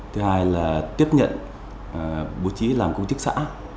thứ hai là tiếp nhận bố trí làm công chức xã